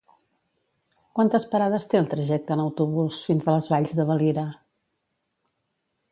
Quantes parades té el trajecte en autobús fins a les Valls de Valira?